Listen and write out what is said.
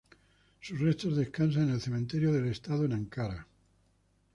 Sus restos descansan en el Cementerio del Estado en Ankara.